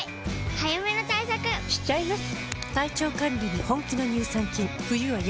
早めの対策しちゃいます。